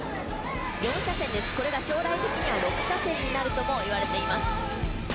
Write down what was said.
これが将来的には６車線になるともいわれています」